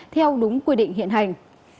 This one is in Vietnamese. theo đúng quy định hiện hành